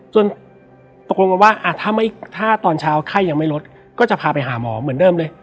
ตกลงกันว่าถ้าตอนเช้าไข้ยังไม่ลดก็จะพาไปหาหมอเหมือนเดิมเลย